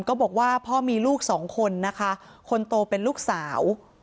ก็บอกว่าพ่อมีลูกสองคนนะคะคนโตเป็นลูกสาว